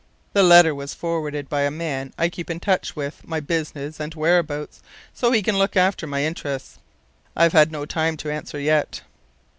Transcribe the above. The letter was forwarded by a man I keep in touch with my business and whereabouts, so he can look after my interests. I've had no time to answer yet.